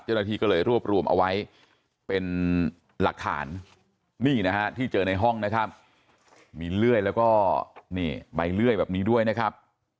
เจ้าหน้าที่ก็เลยรวบรวมเอาไว้เป็นหลักฐานนี่นะฮะที่เจอในห้องนะครับมีเลื่อยแล้วก็นี่ใบเลื่อยแบบนี้ด้วยนะครับ